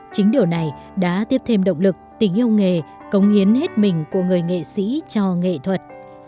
chính điều này đã tiếp thêm động lực tình yêu nghề cống hiến hết mình của người nghệ sĩ cho nghệ thuật